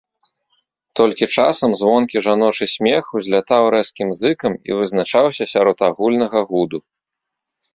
Толькі часам звонкі жаночы смех узлятаў рэзкім зыкам і вызначаўся сярод агульнага гуду.